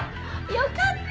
よかった